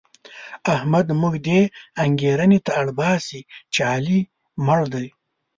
احمد موږ دې انګېرنې ته اړباسي چې علي مړ دی.